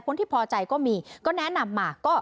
คนที่พอใจก็มีก็แนะนำมาก็รับฟัง